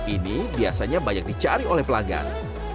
ini biasanya banyak dicari oleh pelanggan